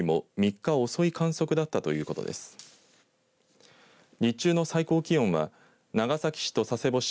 日中の最高気温は長崎市と佐世保市